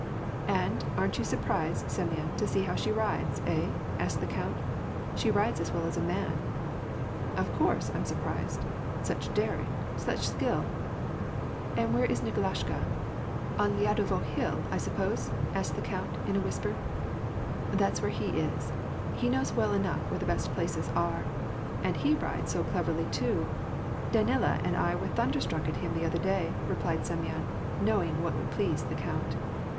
'' "And aren't you surprised, Semvon, to see how she tides — hey ?'' asked the count. " She riaes as well as a man !"" Of course, I'm surprised. Such daring ! such skill 1 "" And where is Nikolasha ? On Lyadovo hill, I suppose ?" asked the count, in a whisper. " That's where he is. He knows well enough where the best places are. And he rides so cleverly too : Danila and I were thunderstruck at him the other day," replied Semyon, knowing what would please the count.